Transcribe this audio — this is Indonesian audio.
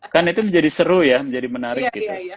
kan itu menjadi seru ya menjadi menarik gitu